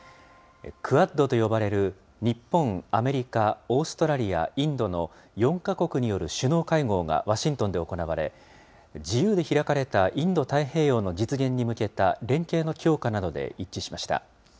クアッドと呼ばれる日本、アメリカ、オーストラリア、インドの４か国による首脳会合がワシントンで行われ、自由で開かれたインド太平洋の実現に向けた連携の強化などで一致しました。